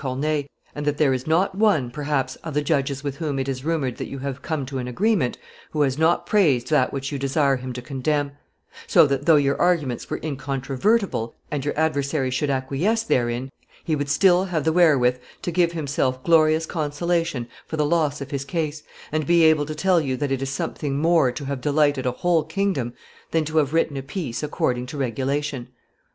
Corneille, and that there is not one, perhaps, of the judges with whom it is rumored that you have come to an agreement, who has not praised that which you desire him to condemn; so that, though your arguments were incontrovertible and your adversary should acquiesce therein, he would still have the wherewith to give himself glorious consolation for the loss of his case, and be able to tell you that it is something more to have delighted a whole kingdom than to have written a piece according to regulation.